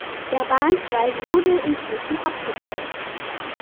Der Bahnsteig wurde inzwischen abgebaut.